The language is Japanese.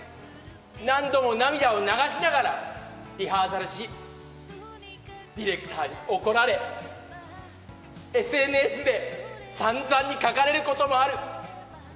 何度も涙を流しながらリハーサルし、ディレクターに怒られＳＮＳでさんざんに書かれることもある。